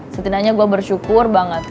setidaknya gue bersyukur banget